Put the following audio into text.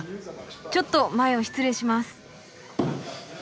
ちょっと前を失礼します。